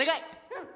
うん。